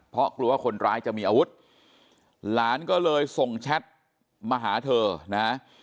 เพราะกลัวว่าคนร้ายจะมีอาวุธหลานก็เลยส่งแชทมาหาเธอนะ